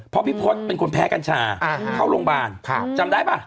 เพราะพี่พศเป็นคนแพ้กัญชาเข้าโรงพยาบาลจำได้ป่ะ